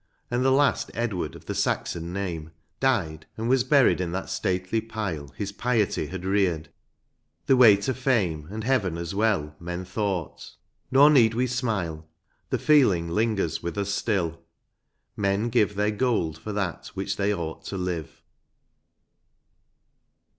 And the last Edward of the Saxon name Died, and was buried in that stately pile His piety had reared, — the way to fame. And heaven as well, men thought : nor need we smile; The feeling lingers with us still, — men give Their gold for that for which they ought to live.